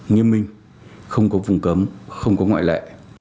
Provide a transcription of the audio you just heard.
cung cố phùng cấm không có ngoại lệ